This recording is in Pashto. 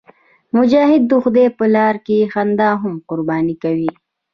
مجاهد د خدای په لاره کې خندا هم قرباني کوي.